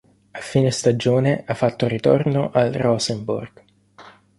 A fine stagione, ha fatto ritorno al Rosenborg.